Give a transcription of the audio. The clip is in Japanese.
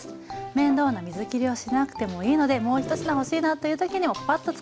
面倒な水きりをしなくてもいいのでもう１品欲しいなという時にもパッとつくれます。